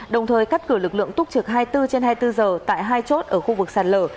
đồng thời cắt cử lực lượng túc trực hai mươi bốn trên hai mươi bốn giờ tại hai chốt ở khu vực sạt lở